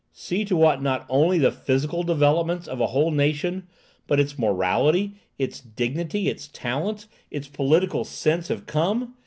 See to what not only the physical developments of a whole nation, but its morality, its dignity, its talents, its political sense, have come!